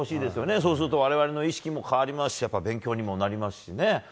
そうすると我々の意識も変わりますし勉強にもなりますしね。